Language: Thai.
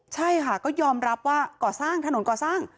ใช่ค่ะก็ยอมรับว่าก่อสร้างถนนก่อสร้าง